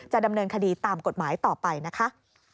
ดำเนินคดีตามกฎหมายต่อไปนะคะ